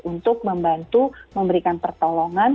untuk membantu memberikan pertolongan